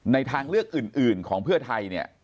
ในทางเลือกอื่นของเพื่อไทย